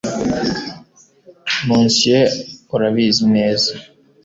Monsieur Urabizi neza